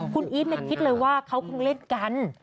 คุณอีทคิดเลยว่าเขาคงเล่นกัน